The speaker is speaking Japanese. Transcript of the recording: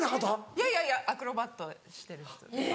いやいやいやアクロバットしてる人です。